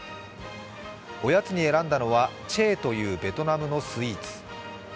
おやつに選んだのはチェーというベトナムのスイーツ。